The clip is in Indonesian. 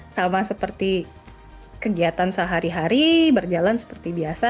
sama seperti kegiatan sehari hari berjalan seperti biasa